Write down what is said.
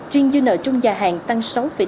riêng dư nợ trung dài hạn tăng sáu năm